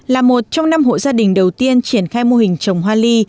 là một trong năm hộ gia đình đầu tiên triển khai mô hình trồng hoa ly